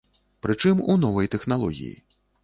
Прычым у новай тэхналогіі.